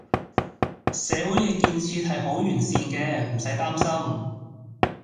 社會嘅建設係好完善嘅，唔駛擔心